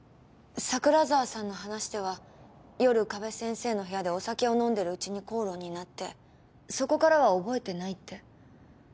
桜沢さんの話では夜加部先生の部屋でお酒を飲んでるうちに口論になってそこからは覚えてないって。